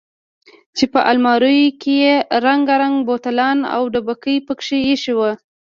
چې په الماريو کښې يې رنګ رنګ بوتلان او ډبکې پکښې ايښي وو.